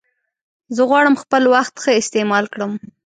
زه غواړم خپل وخت ښه استعمال کړم.